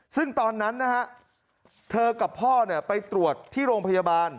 ซึ่งตอนนั้นนะฮะเธอกับพ่อไปตรวจที่โรงพยาบาล